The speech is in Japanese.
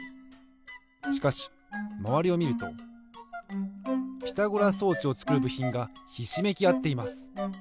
しかしまわりをみるとピタゴラ装置をつくるぶひんがひしめきあっています。